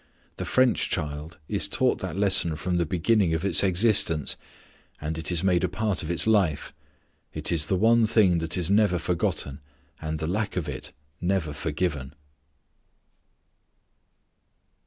The French child is taught that lesson from the beginning of its existence, and it is made a part of its life. It is the one thing that is never forgotten, and the lack of it never forgiven."